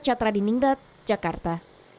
catra di ninggrat jakarta